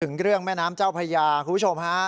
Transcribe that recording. ถึงเรื่องแม่น้ำเจ้าพญาคุณผู้ชมฮะ